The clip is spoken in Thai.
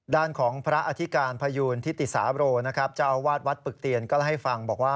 ด้านของพระอธิการพยูนทิติสาโรนะครับเจ้าอาวาสวัดปึกเตียนก็เล่าให้ฟังบอกว่า